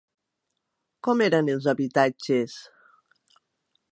Com eren els habitatges?